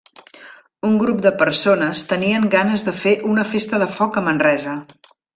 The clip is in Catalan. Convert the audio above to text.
Un grup de persones, tenien ganes de fer una festa de foc a Manresa.